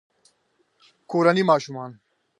کورني ماشومان